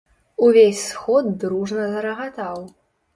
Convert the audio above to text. Увесь сход дружна зарагатаў.